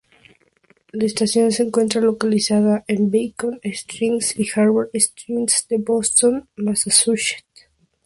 La estación se encuentra localizada en Beacon Street y Harvard Street en Boston, Massachusetts.